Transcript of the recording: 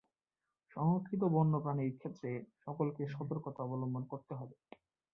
সংরক্ষিত বন্যপ্রাণীর ক্ষেত্রে সকলকে সতর্কতা অবলম্বন করতে হবে।